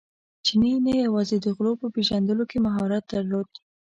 چیني نه یوازې د غلو په پېژندلو کې مهارت درلود.